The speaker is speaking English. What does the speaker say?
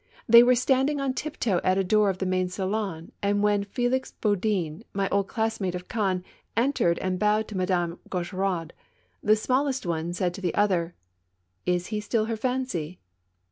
They were standing on tiptoe at a door of the main salon, and when Felix Budin, my old classmate of Caen, entered and bowed to Madame Gaucheraud, the smallest one said to the other : "Is he still her fancy?